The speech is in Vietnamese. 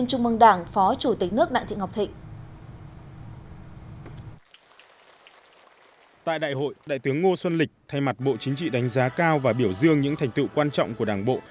tại đại hội đại tướng ngô xuân lịch thay mặt bộ chính trị đánh giá cao và biểu dương những thành tựu quan trọng của đảng bộ